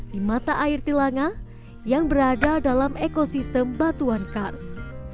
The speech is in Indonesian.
di mata air tilanga yang berada dalam ekosistem batuan kars